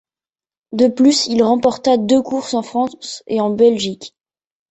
De plus, il remporta deux courses en France et en Belgique.